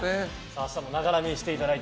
明日もながら見していただいて。